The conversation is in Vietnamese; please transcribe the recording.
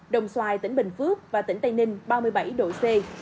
đồng xoài tỉnh bình phước và tỉnh tây ninh ba mươi bảy độ c